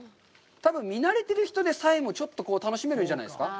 ただ見なれている人でさえも、ちょっと楽しめるんじゃないですか。